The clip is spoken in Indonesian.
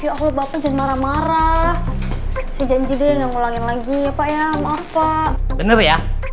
ya allah bapak jangan marah marah janji deh ngulangin lagi ya pak ya maaf pak bener ya